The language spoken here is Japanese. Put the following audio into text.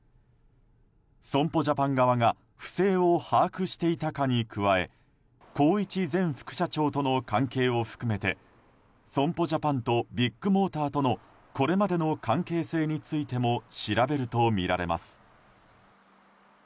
損保ジャパン側が不正を把握していたかに加え宏一前副社長との関係を含めて損保ジャパンとビッグモーターとのこれまでの関係性についても調べるとみられます。